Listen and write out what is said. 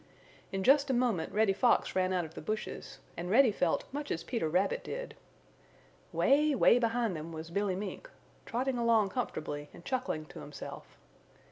In just a moment Reddy Fox ran out of the bushes and Reddy felt much as Peter Rabbit did. Way, way behind them was Billy Mink, trotting along comfortably and chuckling to himself.